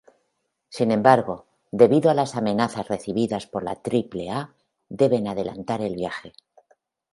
Sin embargo, debido a amenazas recibidas por la Triple A deben adelantar el viaje.